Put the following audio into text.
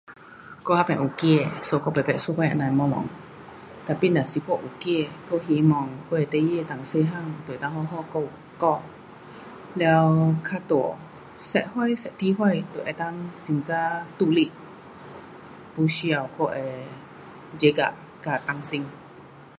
我还没有孩子 [unintelligible] [tapi] 如果我有孩子我希望我的孩子 [unintelligible] 好好顾比较大十岁十二岁会非常独立，[不需要]我的 [jaga and] 担心